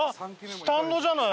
スタンドじゃない？